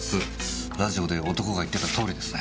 ラジオで男が言ってたとおりですね。